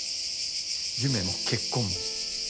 夢も結婚も。